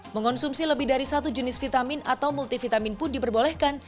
mengonsumsi lebih dari satu jenis vitamin atau multivitamin pun diperbolehkan